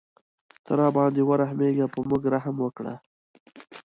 ته راباندې ورحمېږه په موږ رحم وکړه.